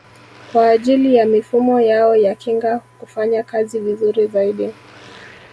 Kwa ajili ya mifumo yao ya kinga kufanya kazi vizuri zaidi